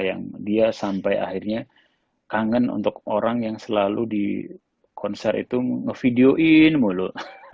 yang dia sampai akhirnya kangen untuk orang yang selalu di konser itu nge videoin mulu